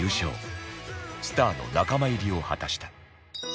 スターの仲間入りを果たした